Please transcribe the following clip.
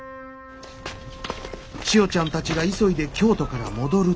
千代ちゃんたちが急いで京都から戻ると。